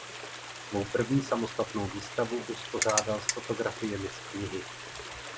Svou první samostatnou výstavu uspořádal s fotografiemi z knihy.